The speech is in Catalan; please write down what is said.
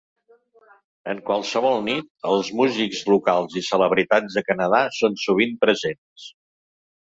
En qualsevol nit, els músics locals i celebritats de Canadà són sovint presents.